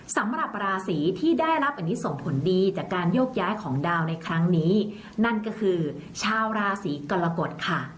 สำหรับราศีที่ได้รับอันนี้ส่งผลดีจากการโยกย้ายของดาวในครั้งนี้นั่นก็คือชาวราศีกรกฎค่ะ